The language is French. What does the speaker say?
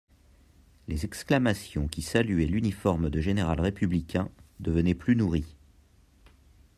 Les exclamations qui saluaient l'uniforme de général républicain devenaient plus nourries.